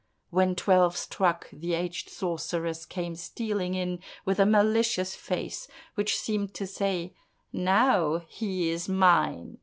When twelve struck, the aged sorceress came stealing in with a malicious face, which seemed to say, "Now he is mine!"